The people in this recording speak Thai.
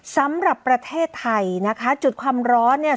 สำหรับประเทศไทยนะคะจุดความร้อนเนี่ย